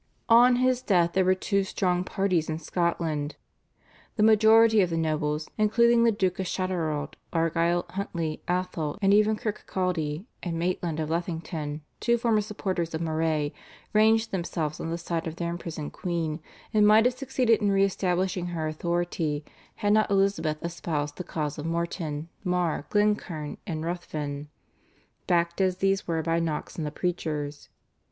On his death there were two strong parties in Scotland. The majority of the nobles, including the Duke of Châtelherault, Argyll, Huntly, Atholl, and even Kirkcaldy and Maitland of Lethington, two former supporters of Moray, ranged themselves on the side of their imprisoned queen, and might have succeeded in re establishing her authority had not Elizabeth espoused the cause of Morton, Mar, Glencairn and Ruthven, backed as these were by Knox and the preachers.